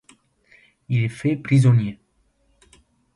Il est fait prisonnier.